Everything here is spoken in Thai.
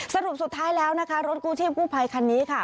สรุปสุดท้ายแล้วนะคะรถกู้ชีพกู้ภัยคันนี้ค่ะ